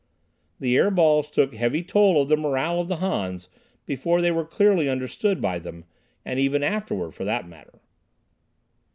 The air balls took heavy toll of the morale of the Hans before they were clearly understood by them, and even afterward for that matter.